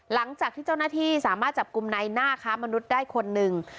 หลังจากที่เจ้าหน้าที่สามารถจับกลุ่มในหน้าค้ามนุษย์ได้คนหนึ่ง